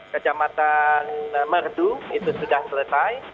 kecamatan merdu itu sudah selesai